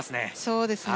そうですね。